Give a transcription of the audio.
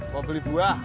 mau beli buah